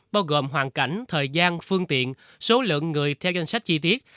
bao gồm hoàn cảnh thời gian phương tiện số lượng người theo danh sách chi tiết